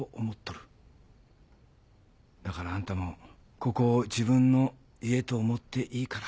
だからあんたもここを自分の家と思っていいから。